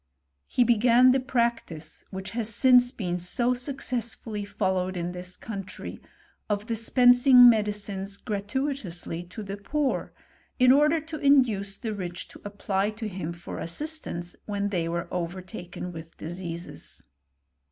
He began the practice, which has since been so successfully followed in this country, of dis pensing medicines gratuitously to the poor, in order to induce the rich to apply to him for assistance when they were overtaken with diseases.